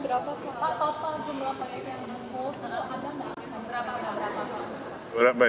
total jumlah proyek yang dihubat itu ada mana